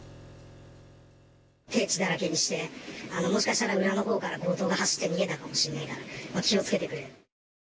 手を血だらけにして、もしかしたら裏のほうから強盗が走って逃げたかもしれないから、気をつけてくれと。